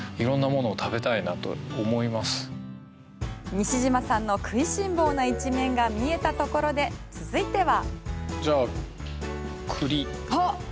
西島さんの食いしん坊な一面が見えたところで続いては。